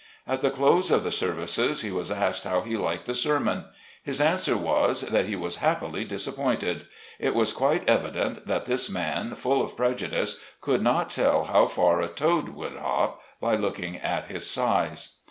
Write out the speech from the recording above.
At the close of the services he was asked how he liked the sermon. His answer was, that he was happily disappointed. It was quite evi dent that this man, full of prejudice, could not tell how far a toad could hop, by looking at his size.